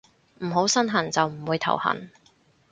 唔好身痕就唔會頭痕